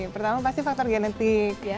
pertama pasti faktor genetik